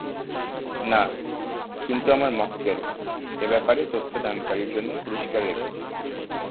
না, কিন্তু আমার মক্কেল, এ ব্যাপারে তথ্য দানকারীর জন্য পুরষ্কার রেখেছেন।